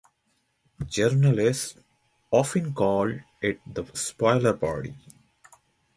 Journalists often called it the spoiler party.